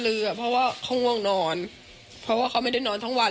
ตกลงไปจากรถไฟได้ยังไงสอบถามแล้วแต่ลูกชายก็ยังไง